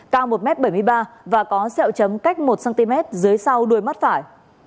cao một m bảy mươi ba và có sẹo chấm cách một cm dưới sau đuôi mắt phải